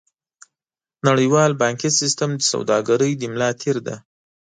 نړیوال بانکي سیستم د سوداګرۍ د ملا تیر دی.